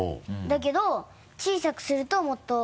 だけど小さくするともっと。